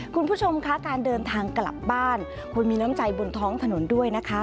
คุณผู้ชมคะการเดินทางกลับบ้านควรมีน้ำใจบนท้องถนนด้วยนะคะ